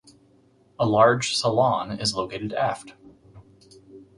A large salon is located aft.